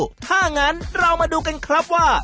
ถ้างั้นเรามาดูกันครับว่า